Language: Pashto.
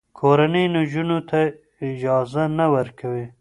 کورنۍ نجونو ته اجازه نه ورکوي.